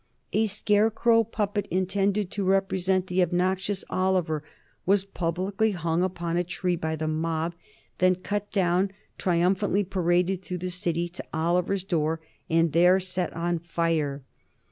A scarecrow puppet, intended to represent the obnoxious Oliver, was publicly hung upon a tree by the mob, then cut down, triumphantly paraded through the city to Oliver's door, and there set on fire.